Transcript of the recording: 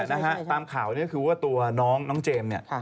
นะฮะตามข่าวเนี่ยก็คือว่าตัวน้องน้องเจมส์เนี่ย